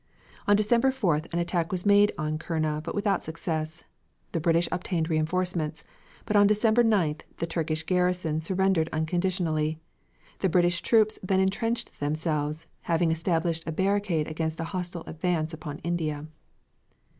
On December 4th an attack was made on Kurna but without success. The British obtained reinforcements, but on December 9th the Turkish garrison surrendered unconditionally. The British troops then intrenched themselves, having established a barricade against a hostile advance upon India.